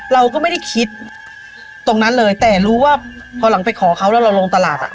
เราก็ไม่ได้คิดตรงนั้นเลยแต่รู้ว่าพอหลังไปขอเขาแล้วเราลงตลาดอ่ะ